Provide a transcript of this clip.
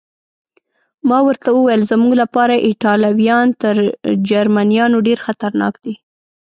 ما ورته وویل: زموږ لپاره ایټالویان تر جرمنیانو ډېر خطرناک دي.